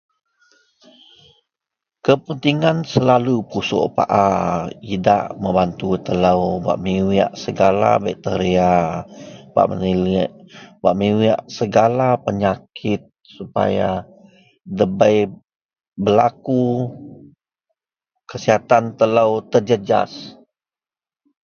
Kepentingan selalu pusuok paa idak mebatu telo bak miwek segala bateria bak miwek bak miwek segala penyaki supaya dabei belaku kesihatan telo terjejas.